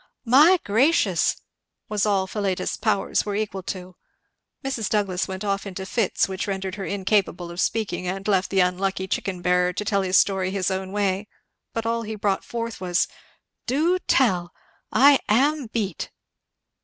"My gracious!" was all Philetus's powers were equal to. Mrs. Douglass went off into fits which rendered her incapable of speaking and left the unlucky chicken bearer to tell his story his own way, but all he brought forth was "Du tell! I am beat!